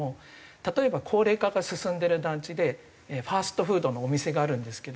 例えば高齢化が進んでる団地でファストフードのお店があるんですけど